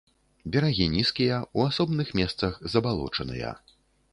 Берагі нізкія, у асобных месцах забалочаныя.